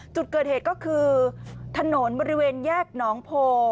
จุดเกิดเหตุก็คือถนนบริเวณแยกหนองโพ